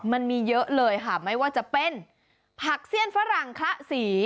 มันมีเยอะเลยค่ะไม่ว่าจะเป็นผักเสี้ยนฝรั่งคละสี